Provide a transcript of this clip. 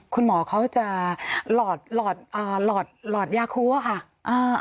คุณหมอเขาจะหลอดยาคูว่าค่ะ